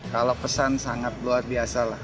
kalau pesan sangat luar biasa lah